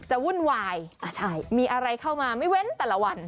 วุ่นวายมีอะไรเข้ามาไม่เว้นแต่ละวัน